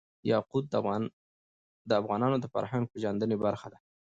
یاقوت د افغانانو د فرهنګ پیژندني برخه ده.